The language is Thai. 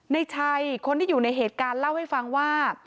ในชัยคนที่อยู่ในเหตุการณ์เล่าให้ฟังว่า